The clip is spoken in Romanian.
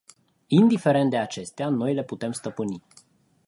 Indiferent de acestea, noi le putem stăpâni.